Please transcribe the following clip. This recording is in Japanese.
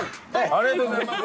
ありがとうございます。